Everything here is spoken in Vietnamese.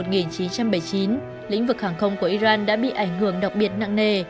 lĩnh vực hàng không của iran đã bị ảnh hưởng đặc biệt nặng nề